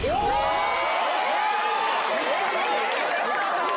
え！